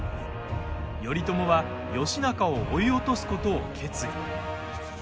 頼朝は義仲を追い落とすことを決意。